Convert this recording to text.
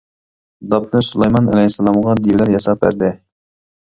داپنى سۇلايمان ئەلەيھىسسالامغا دىۋىلەر ياساپ بەردى.